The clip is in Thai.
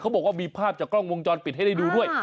บอกว่ามีภาพจากกล้องวงจรปิดให้ได้ดูด้วย